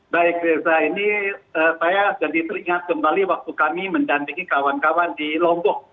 baik reza ini saya jadi teringat kembali waktu kami mendampingi kawan kawan di lombok